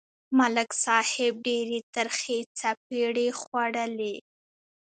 ملک صاحب ډېرې ترخې څپېړې خوړلې.